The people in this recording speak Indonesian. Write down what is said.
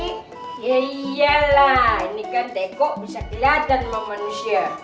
iya iyalah ini kan teko bisa keliatan sama manusia